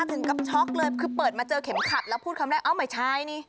ถึงกับช็อกเลยคือเปิดมาเจอเข็มขัดแล้วพูดคำแรกเอ้าไม่ใช่นี่